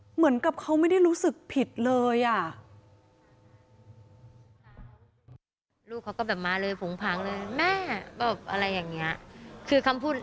เหมือนกับเขาไม่ได้รู้สึกผิดเลยอ่ะ